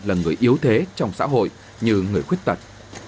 là người yếu thế trong xã hội như người khuyết tật